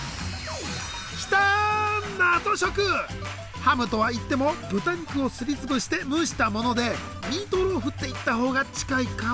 ハムとは言っても豚肉をすり潰して蒸したものでミートローフって言ったほうが近いかも？